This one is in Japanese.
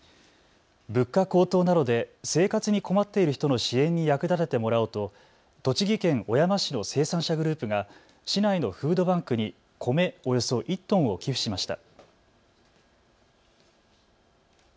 物価高騰などで生活に困っている人の支援に役立ててもらおうと栃木県小山市の生産者グループが市内のフードバンクに米およそ１トンを寄付しました。